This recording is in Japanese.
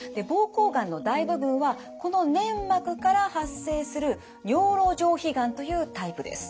膀胱がんの大部分はこの粘膜から発生する尿路上皮がんというタイプです。